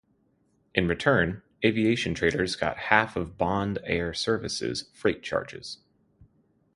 In return, Aviation Traders got half of Bond Air Services' freight charges.